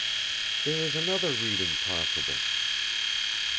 "There is another reading possible!"